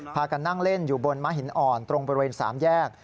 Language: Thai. พากันนั่งเล่นอยู่บนม้าหินอ่อนตรงบริเวณ๓แยก